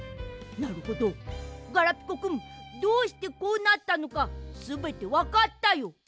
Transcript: なるほどガラピコくんどうしてこうなったのかすべてわかったよ。